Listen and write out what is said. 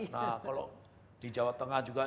nah kalau di jawa tengah juga